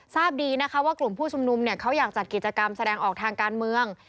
ทราบดีนะคะว่ากลุ่มผู้ชุมนุมเขาอยากจัดกิจกรรมแสดงออกทางการเมือง